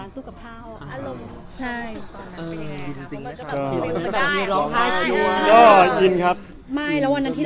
ทุกคนอาจจะร้องไห้